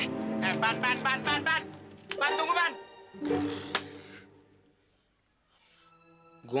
eh pan pan pan pan pan tunggu pan